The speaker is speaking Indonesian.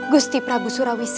gusti prabu surawi sesa